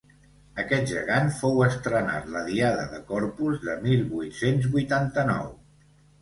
Aquest Gegant fou estrenat la diada de Corpus de mil vuit-cents vuitanta-nou.